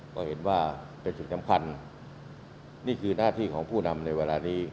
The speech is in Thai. ก็เห็นว่าเป็นสิ่งสำคัญนี่คือหน้าที่ของผู้นำในเวลานี้